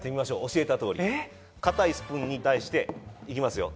教えた通り、硬いスプーに対して行きますよ。